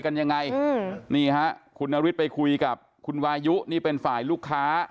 ใครจรรยาคุณวายุเนี่ยเป็นฝ่ายลูกค้า